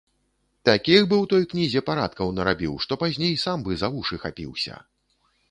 Такіх бы ў той кнізе парадкаў нарабіў, што пазней сам бы за вушы хапіўся.